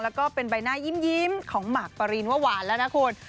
แล้วก็เป็นใบหน้ายิ้มของหมากปรินว่าหวานแล้วนะคุณ